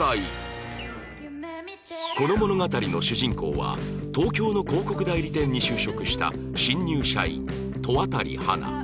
この物語の主人公は東京の広告代理店に就職した新入社員戸渡花